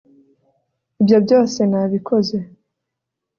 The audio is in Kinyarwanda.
ibyo byose nabikoze